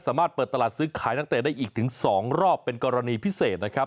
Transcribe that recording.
เปิดตลาดซื้อขายนักเตะได้อีกถึง๒รอบเป็นกรณีพิเศษนะครับ